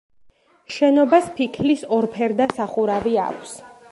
შენობას ფიქლის ორფერდა სახურავი აქვს.